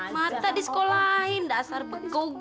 mata disekolahin dasar begung